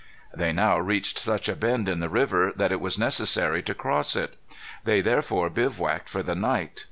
They now reached such a bend in the river that it was necessary to cross it. They therefore bivouacked for the night.